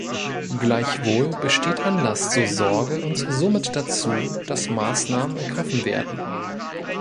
Gleichwohl besteht Anlass zur Sorge und somit dazu, dass Maßnahmen ergriffen werden.